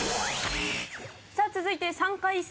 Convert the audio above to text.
さぁ続いて３回戦